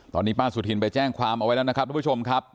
ตอนนี้ป้าสุธินไปแจ้งความเอาไว้แล้วนะครับทุกผู้ชมครับ